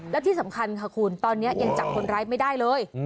และที่สำคัญค่ะคุณตอนนี้ยังจับคนร้ายไม่ได้เลย